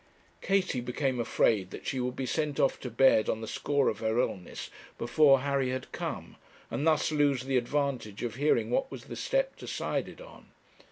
Katie became afraid that she would be sent off to bed on the score of her illness before Harry had come, and thus lose the advantage of hearing what was the step decided on.